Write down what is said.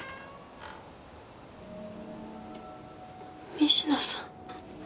・仁科さん？